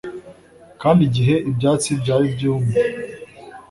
kandi, igihe ibyatsi byari byumye